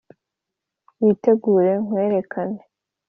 witegure kwerekana